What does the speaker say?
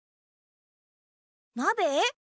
なべ？